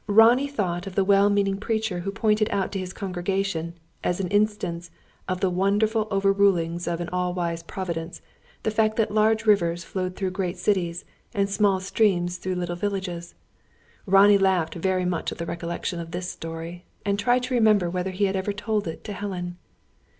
Ronnie thought of the well meaning preacher who pointed out to his congregation, as an instance of the wonderful over rulings of an All wise Providence, the fact that large rivers flowed through great cities, and small streams through little villages! Ronnie laughed very much at the recollection of this story, and tried to remember whether he had ever told it to Helen.